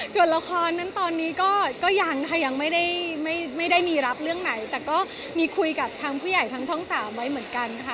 ส่วนละครนั้นตอนนี้ก็ยังค่ะยังไม่ได้ไม่ได้มีรับเรื่องไหนแต่ก็มีคุยกับทางผู้ใหญ่ทางช่อง๓ไว้เหมือนกันค่ะ